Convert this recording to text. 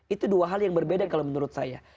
itu dua hal yang berbeda kalau menurut saya